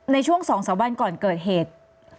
ในช่วง๒๓วันก่อนเกิดเหตุ